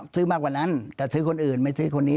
ซื้อมากกว่านั้นแต่ซื้อคนอื่นไม่ซื้อคนนี้